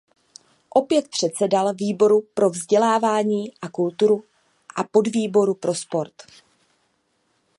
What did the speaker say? Opět předsedal výboru pro vzdělávání a kulturu a podvýboru pro sport.